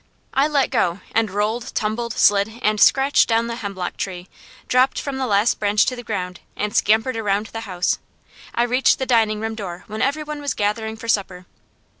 I let go and rolled, tumbled, slid, and scratched down the hemlock tree, dropped from the last branch to the ground, and scampered around the house. I reached the dining room door when every one was gathering for supper.